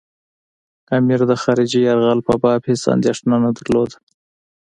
امیر د خارجي یرغل په باب هېڅ اندېښنه نه درلوده.